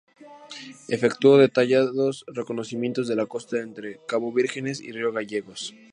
Efectuó detallados reconocimientos de la costa entre Cabo Vírgenes y Río Gallegos.